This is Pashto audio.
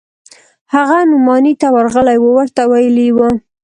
هغه نعماني ته ورغلى و ورته ويلي يې و.